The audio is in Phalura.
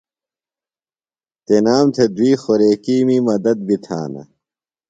تنام تھےۡ دُوئی خوریکِیمی مدد بیۡ تھانہ۔